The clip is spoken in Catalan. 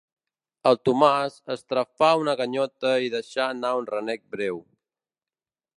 El Tomàs estrafà una ganyota i deixa anar un renec breu.